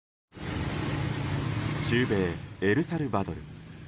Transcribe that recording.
中米エルサルバドル。